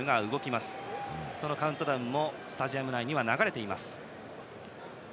そのカウントダウンもスタジアム内に流れています。